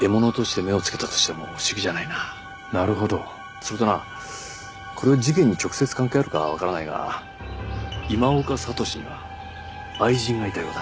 それとなこれは事件に直接関係あるかわからないが今岡智司には愛人がいたようだ。